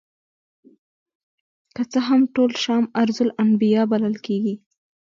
که څه هم ټول شام ارض الانبیاء بلل کیږي.